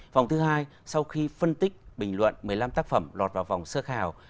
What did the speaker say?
vòng thứ hai sau khi phân tích bình luận một mươi năm tác phẩm lọt vào vòng sơ khảo